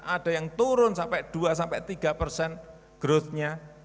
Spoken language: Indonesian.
ada yang turun sampai dua tiga persen growth nya